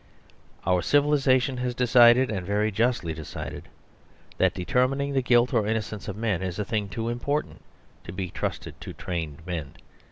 Our civilisation has decided, and very justly decided, that determining the guilt or innocence of men is a thing too important to be trusted to trained men.